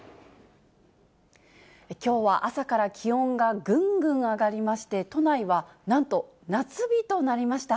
きょうは朝から気温がぐんぐん上がりまして、都内はなんと夏日となりました。